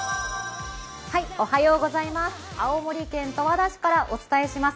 青森県十和田市からお伝えします。